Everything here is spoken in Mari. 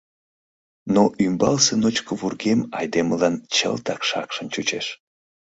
Но ӱмбалсе ночко вургем айдемылан чылтак шакшын чучеш.